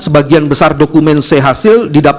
sebagian besar dokumen sehasil